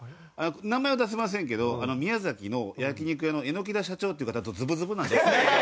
名前は出せませんけど宮崎の焼き肉屋の榎木田社長っていう方とズブズブ。